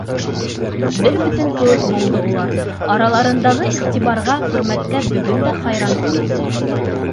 Бер бөтөн кеүек булды улар, араларындағы иғтибарға, хөрмәткә бөгөн дә хайран ҡалам.